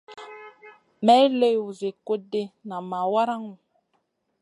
May liw zi kuɗ ɗi, nam ma waraŋu.